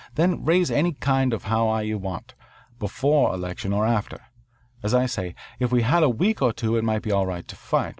Then raise any kind of a howl you want before election or after. As I say, if we had a week or two it might be all right to fight.